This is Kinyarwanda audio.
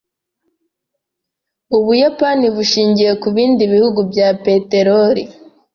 Ubuyapani bushingiye kubindi bihugu bya peteroli.